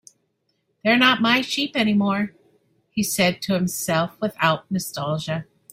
"They're not my sheep anymore," he said to himself, without nostalgia.